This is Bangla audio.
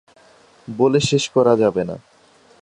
বলে শেষ করা যাবে না।